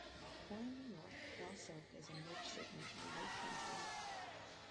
Born in New York, Bell served as a midshipman on Lake Ontario.